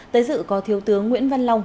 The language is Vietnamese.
tới dự có thiếu tướng nguyễn văn long